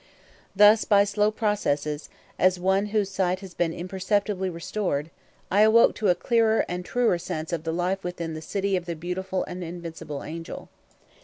Thus, by slow processes, as one whose sight has been imperceptibly restored, I awoke to a clearer and truer sense of the life within "the city of the beautiful and invincible angel."